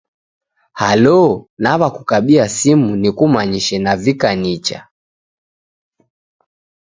Halo!, naw'akukabia simu nikumanyishe navika nicha.